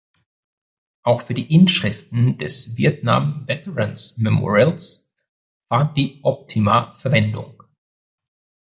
Auch für die Inschriften des Vietnam Veterans Memorials fand die Optima Verwendung.